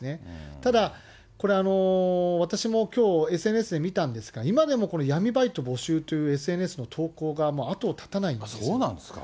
ただ、これ、私もきょう、ＳＮＳで見たんですが、今でも闇バイト募集というＳＮＳの投稿が後を絶たないんです。